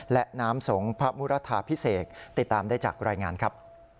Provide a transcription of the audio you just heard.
และน้ำสงฆ์พระมุรทาพิเศษติดตามได้จากรายงานครับ